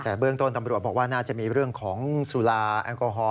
แต่เบื้องต้นตำรวจบอกว่าน่าจะมีเรื่องของสุราแอลกอฮอล